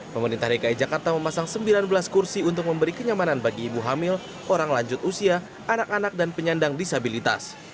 pemerintah dki jakarta memasang sembilan belas kursi untuk memberi kenyamanan bagi ibu hamil orang lanjut usia anak anak dan penyandang disabilitas